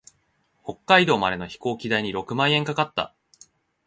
北海道までの飛行機代に六万円かかった。